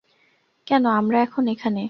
কেন আমরা এখন এখানে?